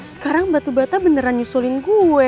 sekarang batu bata beneran nyusulin gue